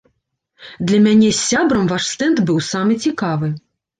Для мяне з сябрам ваш стэнд быў самы цікавы!